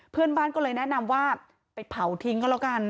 เพื่อนบ้านก็เลยแนะนำว่าไปเผาทิ้งก็แล้วกัน